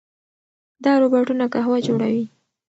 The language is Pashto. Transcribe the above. دا روباټونه قهوه جوړوي.